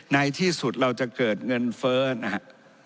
ในที่สุดเราจะเกิดเงินเฟิร์สนะฮะ